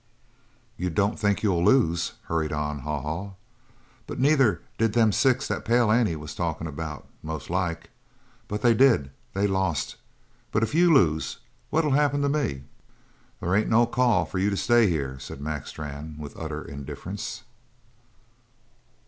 "You don't think you'll lose," hurried on Haw Haw, "but neither did them six that Pale Annie was tellin' about, most like. But they did! They lost; but if you lose what'll happen to me?" "They ain't no call for you to stay here," said Mac Strann with utter indifference.